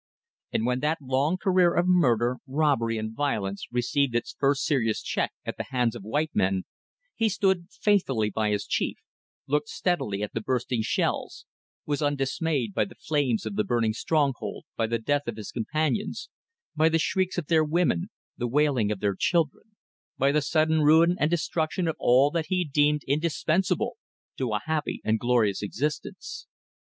And when that long career of murder, robbery and violence received its first serious check at the hands of white men, he stood faithfully by his chief, looked steadily at the bursting shells, was undismayed by the flames of the burning stronghold, by the death of his companions, by the shrieks of their women, the wailing of their children; by the sudden ruin and destruction of all that he deemed indispensable to a happy and glorious existence.